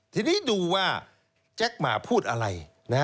ทีนี้ดูว่าแจ็คหมาพูดอะไร